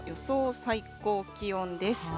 最高気温です。